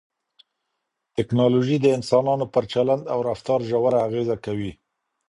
ټکنالوژي د انسانانو پر چلند او رفتار ژوره اغېزه کوي.